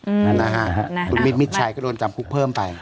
นั่นนะฮะคุณมิดมิดชัยก็โดนจำคุกเพิ่มไป